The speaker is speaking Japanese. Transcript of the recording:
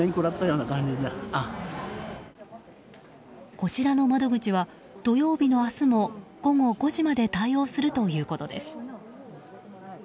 こちらの窓口は土曜日の明日も午後５時まで対応するということです。